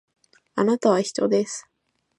あなたは人です